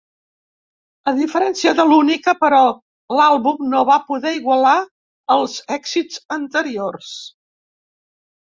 A diferència de l'única però l'àlbum no va poder igualar els èxits anteriors.